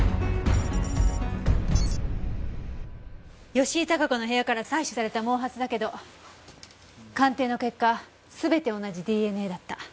吉井孝子の部屋から採取された毛髪だけど鑑定の結果全て同じＤＮＡだった。